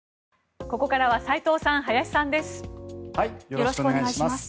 よろしくお願いします。